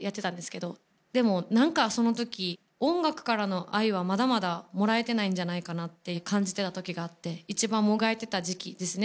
でも、なんか、そのとき音楽からの愛は、まだまだもらえてないんじゃないかなって感じてたときがあって一番、もがいてた時期ですね。